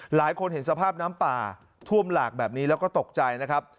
หลายคนเห็นสภาพน้ำป่าท่วมหลากแบบนี้แล้วก็ตกใจนะครับ